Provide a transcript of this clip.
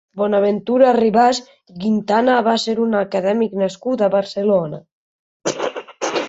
Bonaventura Ribas i Quintana va ser un acadèmic nascut a Barcelona.